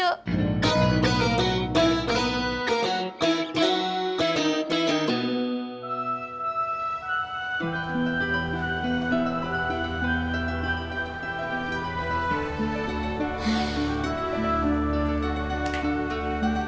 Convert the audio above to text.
kemarin deh jago lamanya